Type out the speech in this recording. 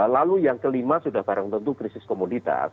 lalu yang kelima sudah barang tentu krisis komoditas